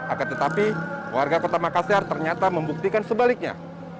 akan tetapi warga kota makassar ternyata membuktikan sebaliknya